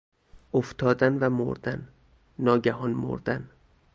افتادن و مردن، ناگهان مردن